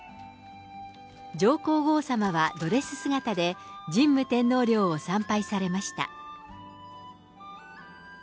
上皇后さまはドレス姿で、神武天皇陵を参拝されました。